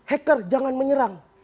hacker jangan menyerang